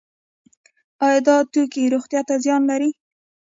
آیا دا توکي روغتیا ته زیان لري؟